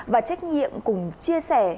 và trách nhiệm cùng chia sẻ